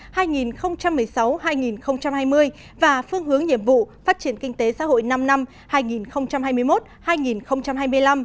phát triển kinh tế xã hội năm năm hai nghìn một mươi sáu hai nghìn hai mươi và phương hướng nhiệm vụ phát triển kinh tế xã hội năm năm hai nghìn hai mươi một hai nghìn hai mươi năm